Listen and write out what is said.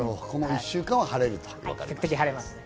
１週間は晴れるということですね。